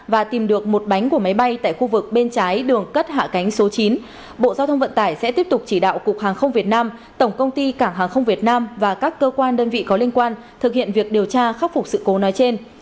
và tìm được một bánh của máy bay tại khu vực bên trái đường cất hạ cánh số chín bộ giao thông vận tải sẽ tiếp tục chỉ đạo cục hàng không việt nam tổng công ty cảng hàng không việt nam và các cơ quan đơn vị có liên quan thực hiện việc điều tra khắc phục sự cố nói trên